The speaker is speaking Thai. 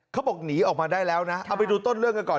เขาบอกหนีออกมาได้แล้วนะเอาไปดูต้นเรื่องกันก่อน